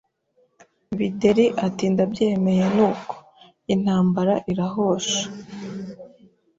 Bideri ati Ndabyemeye nuko. Intamba irahosha.